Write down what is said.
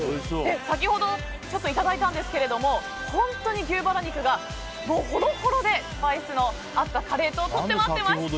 先ほどいただいたんですが本当に牛バラ肉がほろほろでスパイスのあったカレーととっても合ってました！